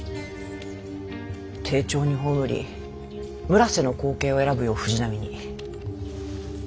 丁重に葬り村瀬の後継を選ぶよう藤波に。